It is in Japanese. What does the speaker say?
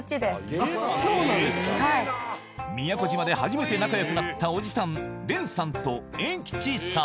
宮古島で初めて仲良くなったおじさん蓮さんと栄吉さん。